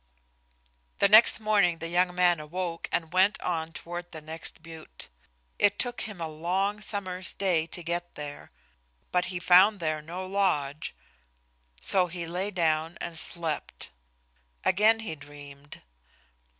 The next morning the young man awoke and went on toward the next butte. It took him a long summer's day to get there, but he found there no lodge, so he lay down and slept. Again he dreamed.